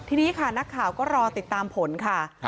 ทีนี้ค่ะนักข่าวก็รอติดตามผลค่ะ